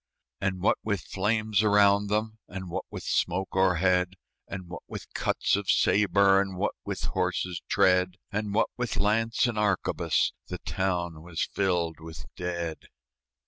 And what with flames around them, And what with smoke o'erhead, And what with cuts of sabre, And what with horses' tread, And what with lance and arquebus, The town was filled with dead.